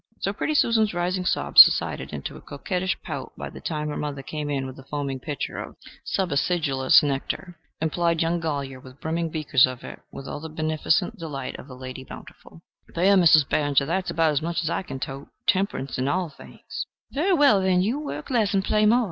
So pretty Susan's rising sob subsided into a coquettish pout by the time her mother came in with the foaming pitcher of subacidulous nectar, and plied young Golyer with brimming beakers of it with all the beneficent delight of a Lady Bountiful. "There, Mizzes Barringer! there's about as much as I can tote. Temperance in all things." "Very well, then, you work less and play more.